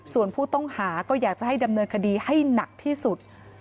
ส่วนผู้ต้องหาก็อยากจะให้ดำเนินคดีให้หนักที่สุด